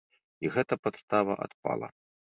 І гэта падстава адпала.